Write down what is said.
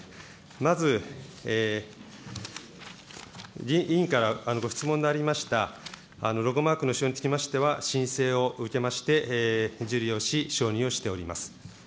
まず、委員からご質問のありました、ロゴマークの使用につきましては、申請を受けまして、受理をし、承認をしております。